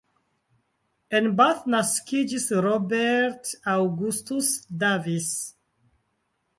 En Bath naskiĝis Robert Augustus Davis.